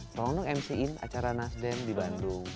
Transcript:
tolong dong mc in acara nasdem di bandung